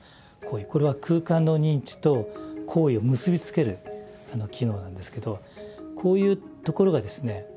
これは空間の認知と行為を結び付ける機能なんですけどこういうところがですね